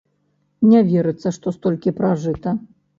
Не верыцца, што столькі пражыта.